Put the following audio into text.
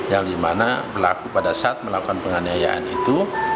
yang dimana pelaku pada saat melakukan penganiayaan itu